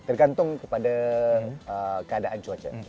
tergantung kepada keadaan cuaca